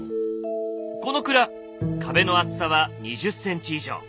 この蔵壁の厚さは２０ｃｍ以上。